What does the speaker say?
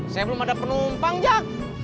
saya belum ada penumpang jak